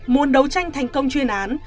muốn đấu tranh thành công chuyên án